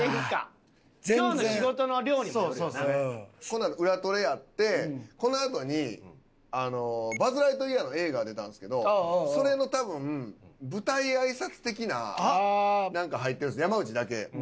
このあと『ウラ撮れ』やってこのあとにあの『バズ・ライトイヤー』の映画出たんですけどそれの多分舞台挨拶的ななんか入ってるんです山内だけ。